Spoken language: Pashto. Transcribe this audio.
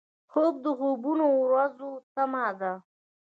خوب د خوبو ورځو تمه ده